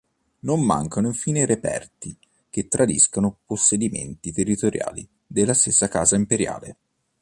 Non mancano infine reperti che tradiscono possedimenti territoriali della stessa casa imperiale.